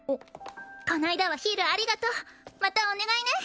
この間はヒールありがとうまたお願いね